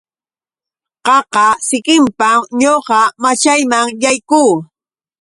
Qaqa sikinpam ñuqa machayman yaykuu.